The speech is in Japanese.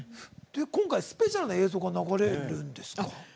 今回、スペシャル映像が流れるんですか？